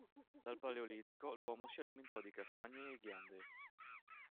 Dal paleolitico l'uomo si alimentò di castagne e ghiande.